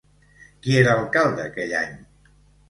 Qui era alcalde aquell any?